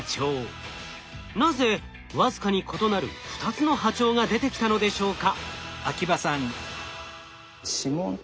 なぜ僅かに異なる２つの波長が出てきたのでしょうか？